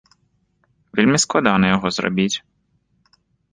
Вельмі складана яго зрабіць.